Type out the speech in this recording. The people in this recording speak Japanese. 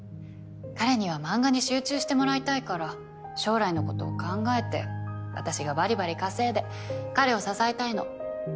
彼には漫画に集中してもらいたいから将来のことを考えて私がばりばり稼いで彼を支えたいの。